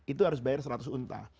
itu harus bayar seratus unta